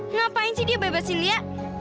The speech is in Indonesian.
ngapain sih dia bebasin lia